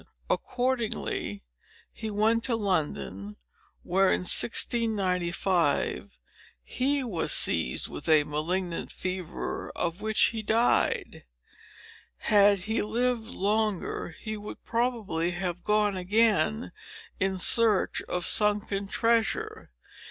Accordingly he went to London, where, in 1695, he was seized with a malignant fever, of which he died. Had he lived longer, he would probably have gone again in search of sunken treasure.